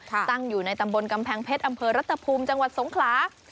ตั้งอยู่ในตำบลกำแพงเพชรอำเภอรัฐภูมิจังหวัดสงขลา